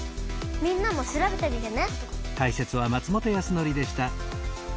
みんなも調べてみてね！